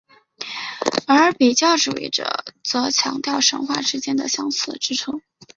而比较主义者则强调神话之间的相似之处。